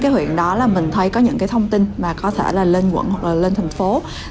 năm huyện đó mình thấy có những thông tin có thể là lên quận hoặc là lên thành phố